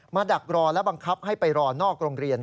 ดักรอและบังคับให้ไปรอนอกโรงเรียน